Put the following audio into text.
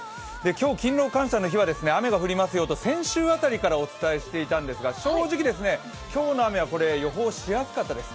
今日、勤労感謝の日は雨が降りますよと先週辺りからお伝えしていたんですが、正直、今日の雨は予報しやすかったです。